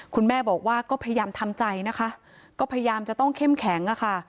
คุณแม่บอกว่าก็พยายามทำใจนะคะก็พยายามจะต้องเข้มแข็งอะค่ะ